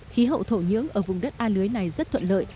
khí hậu thổ nhưỡng ở vùng đất a lưới này rất thuận lợi